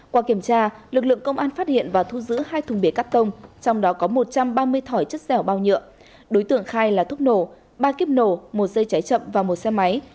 qua kiểm tra lực lượng công an phát hiện và thu giữ hai thùng bìa cắt tông trong đó có một trăm ba mươi thỏi chất dẻo bao nhựa đối tượng khai là thuốc nổ ba kíp nổ một dây cháy chậm và một xe máy